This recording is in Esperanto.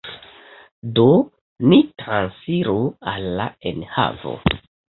Do, ni transiru al la enhavo.